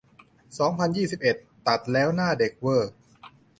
สองพันยี่สิบเอ็ด ตัดแล้วหน้าเด็กเว่อร์